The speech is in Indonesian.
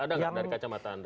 ada nggak dari kacamata anda